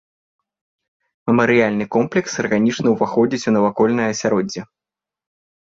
Мемарыяльны комплекс арганічна ўваходзіць у навакольнае асяроддзе.